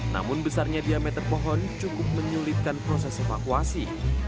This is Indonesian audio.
namun besarnya diameter pohon cukup menyulitkan proses evakuasi